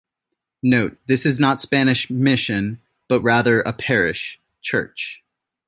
Note: This is not a Spanish Mission, but rather, a parish church.